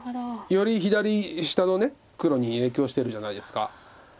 より左下の黒に影響してるじゃないですか。